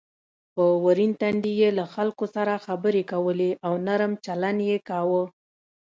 په ورین تندي یې له خلکو سره خبرې کولې او نرم چلند یې کاوه.